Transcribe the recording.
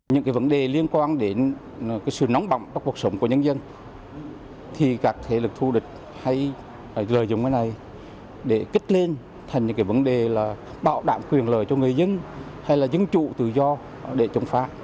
những cái vấn đề liên quan đến sự nóng bỏng trong cuộc sống của nhân dân thì các thế lực thù địch hay lợi dụng cái này để kích lên thành những cái vấn đề là bảo đảm quyền lợi cho người dân hay là dân chủ tự do để chống phá